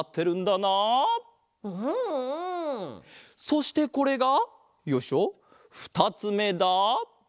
そしてこれがよいしょふたつめだ。